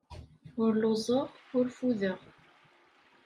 Ur lluẓeɣ, ur ffudeɣ.